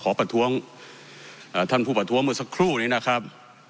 ประท้วงท่านผู้ประท้วงเมื่อสักครู่นี้นะครับ